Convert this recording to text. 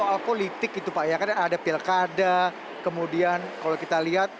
soal politik itu pak ya kan ada pilkada kemudian kalau kita lihat